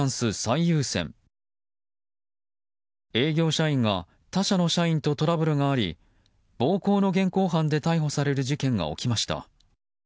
営業社員が他社の社員とトラブルがあり暴行の現行犯で逮捕される事件が起きました。